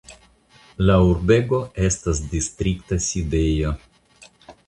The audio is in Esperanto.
La urbego estas distrikta sidejo.